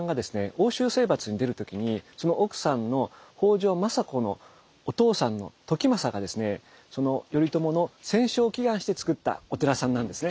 奥州征伐に出る時にその奥さんの北条政子のお父さんの時政がですね頼朝の戦勝祈願をしてつくったお寺さんなんですね。